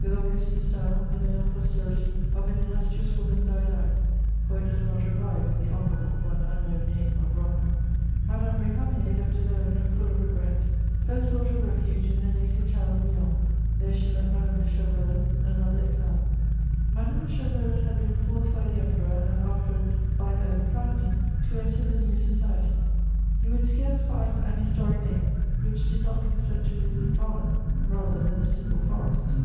With Auguste de Staël the male posterity of an illustrious woman died out, for it does not revive in the honourable, but unknown name of Rocca. [Sidenote: The Duchesse de Chevreuse.] Madame Récamier, left alone and full of regret, first sought a refuge in her native town of Lyons: there she met Madame de Chevreuse, another exile. Madame de Chevreuse had been forced by the Emperor and, afterwards, by her own family to enter the new society. You would scarce find an historic name which did not consent to lose its honour rather than a single forest.